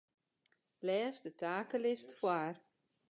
Lês de takelist foar.